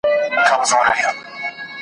چېرته به د سوي میني زور وینو .